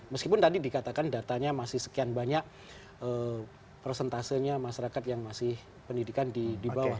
meskipun tadi dikatakan datanya masih sekian banyak prosentasenya masyarakat yang masih pendidikan di bawah